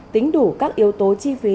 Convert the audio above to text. tính đủ các yếu tố chi phí